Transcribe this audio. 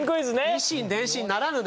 以心伝心ならぬね！